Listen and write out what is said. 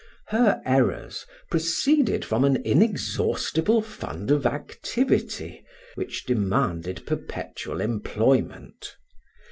Her errors proceeded from an inexhaustible fund of activity, which demanded perpetual employment.